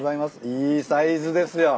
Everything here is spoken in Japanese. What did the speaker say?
いいサイズですよ。